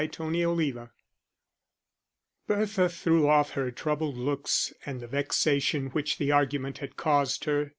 Chapter IV Bertha threw off her troubled looks and the vexation which the argument had caused her.